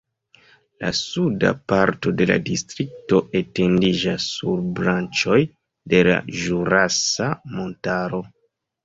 La suda parto de la distrikto etendiĝas sur branĉoj de la Ĵurasa Montaro.